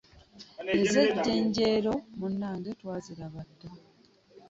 Ez'ejjenjero munange twaziraba dda .